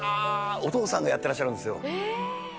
お父さんがやってらっしゃるんですよ。